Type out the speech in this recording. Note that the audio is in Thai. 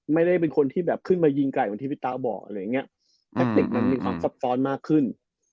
ไม่ได้เป็นคนที่แบบขึ้นมายิงไก่เหมือนที่พี่ตาบอกอะไรอย่างเงี้ยแทคติกมันมีความซับซ้อนมากขึ้น